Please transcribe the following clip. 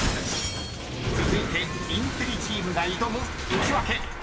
［続いてインテリチームが挑むウチワケ］